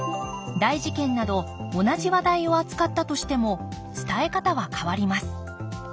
大事件など同じ話題を扱ったとしても伝え方は変わります